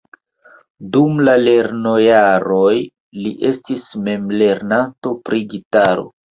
Dum la lernojaroj li estis memlernanto pri gitaro.